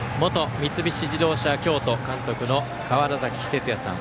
三菱自動車京都監督の川原崎哲也さん